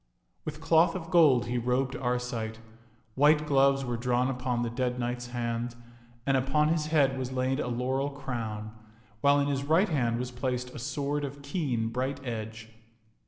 With cloth of gold he robed Arcite. White gloves were drawn upon the dead knight's hands, and upon his head was laid a laurel crown, while in his right hand was placed a sword of keen, bright edge.